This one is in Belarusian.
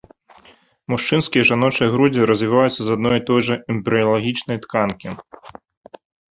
Мужчынскія і жаночыя грудзі развівацца з адной і той жа эмбрыялагічнай тканкі.